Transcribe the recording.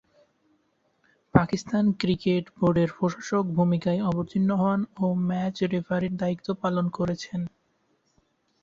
Pakistan cricket বোর্ডের প্রশাসকের ভূমিকায় অবতীর্ণ হন ও ম্যাচ রেফারির দায়িত্ব পালন করেছেন।